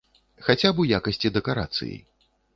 Хаця б у якасці дэкарацыі.